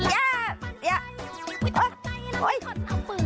มิง